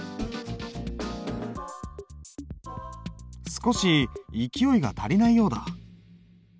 少し勢いが足りないようだ。